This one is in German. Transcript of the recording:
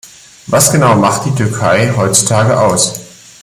Was genau macht die Türkei heutzutage aus?